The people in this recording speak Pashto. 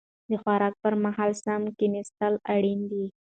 د خوراک پر مهال سم کيناستل اړين دي.